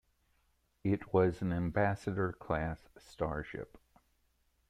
It was an "Ambassador"-class starship.